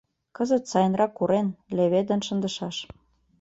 Кызыт сайынрак урен, леведын шындышаш.